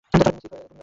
সিফ, আমি ওডিনসন?